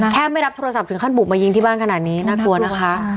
ไม่รับโทรศัพท์ถึงขั้นบุกมายิงที่บ้านขนาดนี้น่ากลัวนะคะ